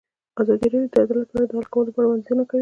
ازادي راډیو د عدالت په اړه د حل کولو لپاره وړاندیزونه کړي.